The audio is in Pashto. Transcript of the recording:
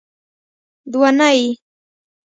دونۍ